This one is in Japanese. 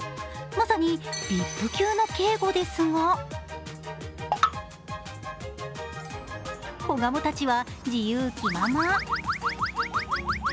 まさにＶＩＰ級の警護ですが子ガモたちは自由気まま。